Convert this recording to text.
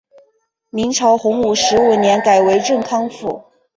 明朝洪武十五年改为镇康府。